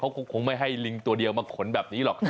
คงไม่ให้ลิงตัวเดียวมาขนแบบนี้หรอก